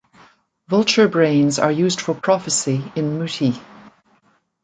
Vulture brains are used for prophecy in muti.